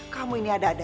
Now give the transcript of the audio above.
kamu ini ada ada